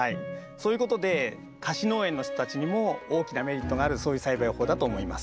そういうことで貸し農園の人たちにも大きなメリットがあるそういう栽培法だと思います。